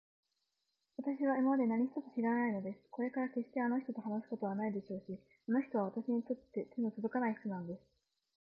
わたしは今でも何一つ知らないのです。これからもけっしてあの人と話すことはないでしょうし、あの人はわたしにとっては手のとどかない人なんです。